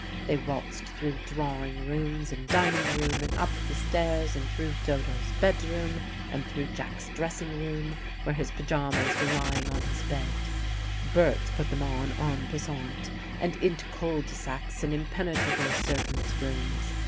They waltzed through drawing rooms and dining room, and up the stairs, and through Dodo's bedroom, and through Jack's dressing room, where his pajamas were lying on his bed (Berts put them on en passant), and into cul de sacs, and impenetrable servants' rooms.